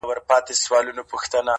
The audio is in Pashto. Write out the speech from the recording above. وخت لکه سره زر.